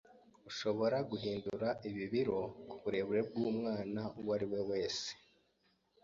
Urashobora guhindura iyi biro kuburebure bwumwana uwo ari we wese.